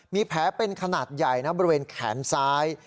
มีแผลเป็นขนาดใหญ่นะบริเวณแขนซ้าย